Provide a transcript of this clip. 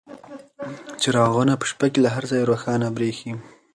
چراغونه په شپې کې له هر ځایه روښانه بریښي.